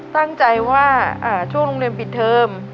ตั้งใจว่าช่วงโรงเรียนปิดเทอม